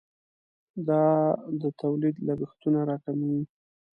دا د تولید لګښتونه راکموي.